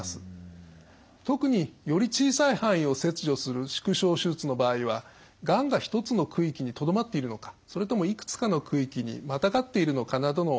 特により小さい範囲を切除する縮小手術の場合はがんが１つの区域にとどまっているのかそれともいくつかの区域にまたがっているのかなどの確認を行う。